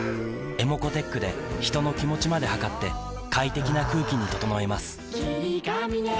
ｅｍｏｃｏーｔｅｃｈで人の気持ちまで測って快適な空気に整えます